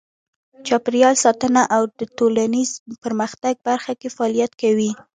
چاپیریال ساتنه او د ټولنیز پرمختګ برخه کې فعالیت کوي.